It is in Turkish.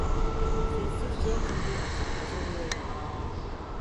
Sessizce kapıyı açıp içeriye girdi.